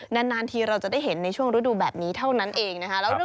นานทีเราจะได้เห็นในช่วงฤดูแบบนี้เท่านั้นเองนะคะ